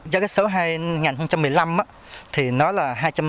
giá cá sấu hai nghìn một mươi năm thì nó là hai trăm bốn mươi